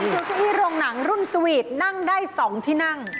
ยกเก้าอี้โรงหนังรุ่นสวีทนั่งได้๒ที่นั่ง